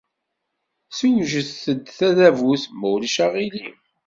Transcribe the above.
Swejdet-d tadabut, ma ulac aɣilif.